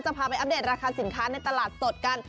พาไปอัปเดตราคาสินค้าในตลาดสดกัน